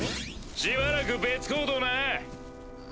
しばらく別行動な。